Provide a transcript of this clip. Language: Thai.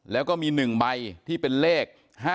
แล้วก็มี๑ใบที่เป็นเลข๕๗